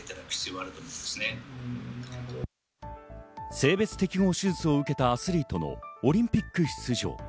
性別適合手術を受けたアスリートのオリンピック出場。